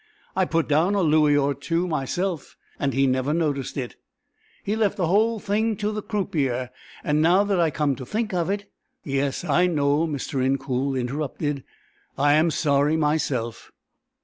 I put down a louis or two myself, and he never noticed it; he left the whole thing to the croupier, and now that I come to think of it " "Yes, I know," Mr. Incoul interrupted. "I am sorry myself."